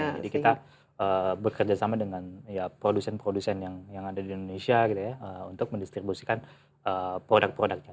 kita bekerja sama dengan produsen produsen yang ada di indonesia gitu ya untuk mendistribusikan produk produknya